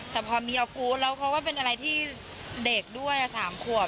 แต่พอมีออกูธแล้วเขาก็เป็นอะไรที่เด็กด้วย๓ขวบ